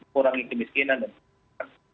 kurangi kemiskinan dan kegiatan